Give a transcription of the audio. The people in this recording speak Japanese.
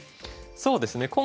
そうですね